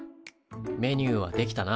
メニューは出来たな。